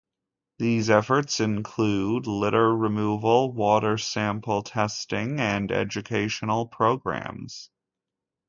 These efforts include litter removal, water sample testing, and educational programs.